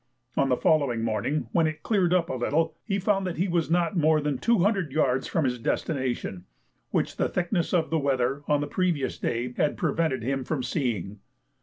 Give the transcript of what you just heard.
On the following morning, when it cleared up a little, he found that he was not more than two hundred yards from his destination, which the thickness of the weather on the previous day had prevented him from seeing.